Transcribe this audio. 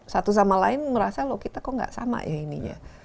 satu sama lain merasa loh kita kok gak sama ya ini ya